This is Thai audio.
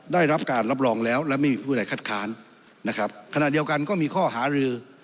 ได้รับการรับรองแล้วและไม่มีผู้ใดคัดค้านนะครับขณะเดียวกันก็มีข้อหารือ